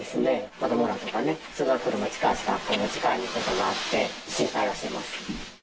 子どもらとかね、通学路も近いこともあって心配をしてます。